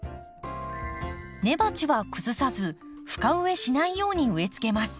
根鉢は崩さず深植えしないように植えつけます。